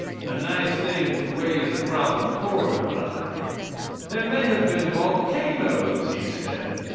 A nice thing to raise a crop of corn by. There may have been volcanoes, he says.